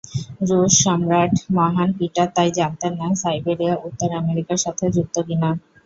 রুশ সম্রাট মহান পিটার তাই জানতেন না সাইবেরিয়া উত্তর আমেরিকার সাথে যুক্ত কি না।